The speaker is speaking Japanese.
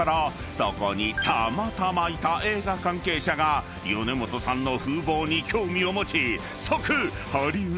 そこにたまたまいた映画関係者が米本さんの風貌に興味を持ち］